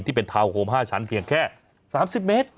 ที่เป็นทาวน์โคม๕ชั้นเพียงแค่๓๐เมตร